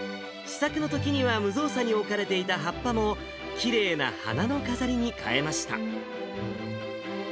試作のときには無造作に置かれていた葉っぱも、きれいな花の飾りに変えました。